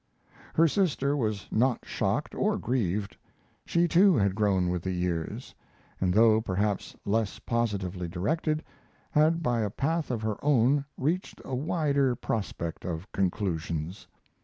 Her sister was not shocked or grieved; she too had grown with the years, and though perhaps less positively directed, had by a path of her own reached a wider prospect of conclusions.